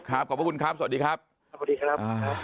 ขอบพระคุณครับสวัสดีครับสวัสดีครับ